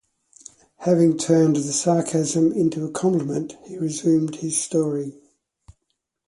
Having turned the sarcasm into a compliment, he resumed his story.